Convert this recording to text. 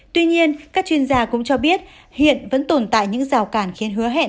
tuy nhiên các chuyên gia cũng cho biết hiện vẫn tồn tại những rào cản khiến hứa hẹn